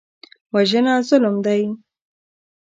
وژنه ظلم دی